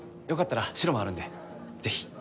よかったら白もあるのでぜひ。